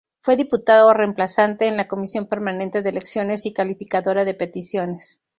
Fue diputado reemplazante en la Comisión Permanente de Elecciones y Calificadora de Peticiones.